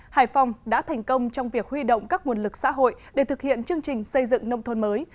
hải phòng đã thành công trong việc huy động các nguồn lực xã hội để thực hiện chương trình xây dựng nông thôn mới